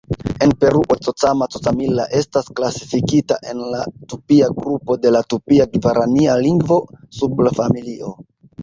En Peruo, "Cocama-Cocamilla" estas klasifikita en la Tupia grupo de la Tupia-Gvarania lingvo-subfamilio.